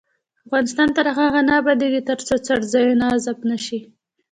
افغانستان تر هغو نه ابادیږي، ترڅو څرځایونه غصب نشي.